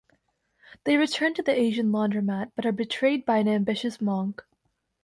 They return to the Asian laundromat but are betrayed by an ambitious monk.